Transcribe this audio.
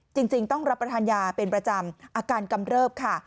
จริงต้องรับประทานยาเป็นประจำอาการกำเริบค่ะ